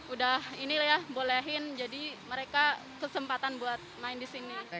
udah ini lah ya bolehin jadi mereka kesempatan buat main di sini